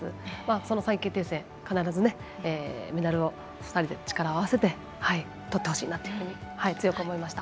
その３位決定戦、必ずメダルを２人で力を合わせてとってほしいなと強く思いました。